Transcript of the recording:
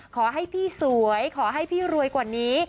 ขอให้พี่สวยขอให้พี่รวยกว่านี้